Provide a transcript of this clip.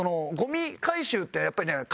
ゴミ回収ってやっぱりね